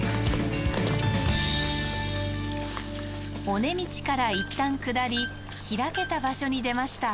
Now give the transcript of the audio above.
尾根道からいったん下り開けた場所に出ました。